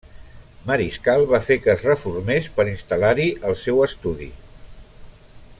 Mariscal va fer que es reformés per instal·lar-hi el seu estudi.